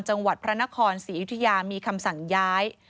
จังหวัดพระนครศรีอยุธยามีคำสั่งย้าย